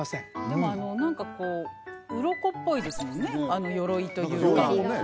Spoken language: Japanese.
でも何かこううろこっぽいですもんねよろいというか両方ね